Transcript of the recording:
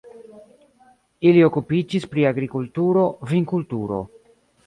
Ili okupiĝis pri agrikulturo, vinkulturo.